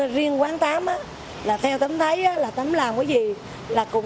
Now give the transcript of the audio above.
riêng quán tám theo tấm thấy tấm làm cái gì là cũng